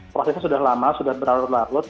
prosesnya sudah lama sudah berlarut larut